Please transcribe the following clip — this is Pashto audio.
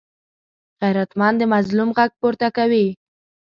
غیرتمند د مظلوم غږ پورته کوي